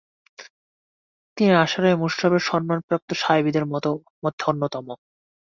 তিনি আশারায়ে মুবাশশারা সম্মানপ্রাপ্ত সাহাবীদের মধ্য অন্যতম।